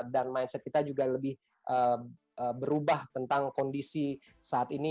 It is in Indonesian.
dan mindset kita juga lebih berubah tentang kondisi saat ini